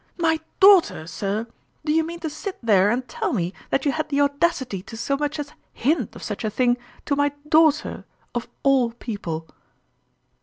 "My daughter , sir! Do you mean to sit there and tell me that you had the audacity to so much as hint of such a thing to my daugh ter, of all people